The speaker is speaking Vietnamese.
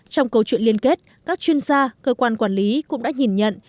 trong câu chuyện liên kết các chuyên gia cơ quan quản lý cũng đã nhìn nhận